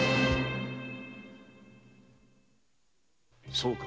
そうか。